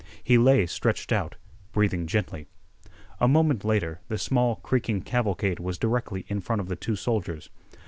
He lay stretched out, breathing gently. A moment later the small, creaking cavalcade was directly in front of the two soldiers.